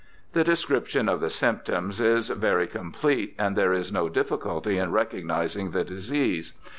The description of the symptoms is very complete, and there is no difficulty in recognizing the disease.